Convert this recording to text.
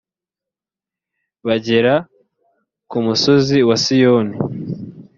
bagera ku musozi wa siyoni